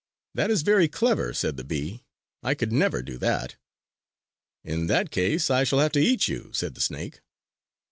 "That is very clever!" said the bee, "I could never do that!" "In that case, I shall have to eat you!" said the snake.